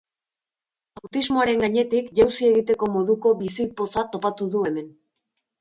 Autismoaren gainetik jauzi egiteko moduko bizipoza topatu du hemen.